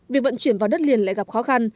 việc vận chuyển vào đất liền lại gặp khó khăn